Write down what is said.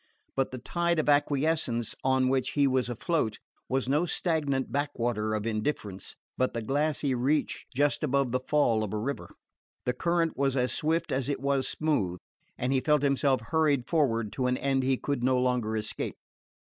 But the tide of acquiescence on which he was afloat was no stagnant back water of indifference, but the glassy reach just above the fall of a river. The current was as swift as it was smooth, and he felt himself hurried forward to an end he could no longer escape.